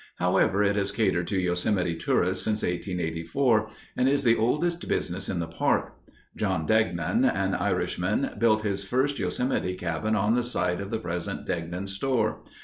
However, it has catered to Yosemite tourists since 1884 and is the oldest business in the park. John Degnan, an Irishman, built his first Yosemite cabin on the site of the present Degnan store.